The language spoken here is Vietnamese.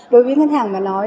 đối với ngân hàng mà nói